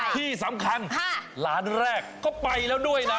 ที่สำคัญร้านแรกก็ไปแล้วด้วยนะ